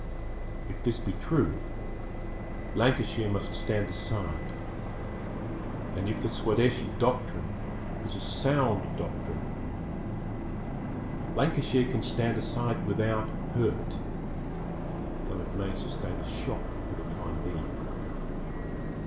If this be true, Lancashire must stand aside. And if the Swadeshi doctrine is a sound doctrine, Lancashire can stand aside without hurt, though it may sustain a shock for the time being.